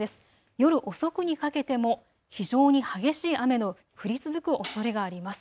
夜遅くにかけても非常に激しい雨の降り続くおそれがあります。